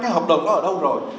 hợp đồng đó ở đâu rồi